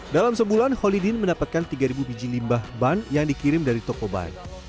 dalam sebulan holidin mendapatkan tiga biji limbah ban yang dikirim dari toko ban